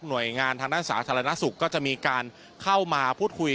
โดยงานทางด้านสาธารณสุขก็จะมีการเข้ามาพูดคุย